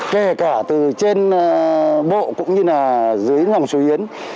kể cả từ trên bộ cũng như dưới dòng sứ yến